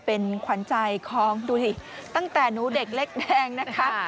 เป็นขวัญใจของดุดิตั้งแต่หนูเด็กเล็กแดงนะคะ